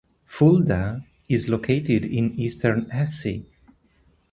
Fulda is located in eastern Hesse.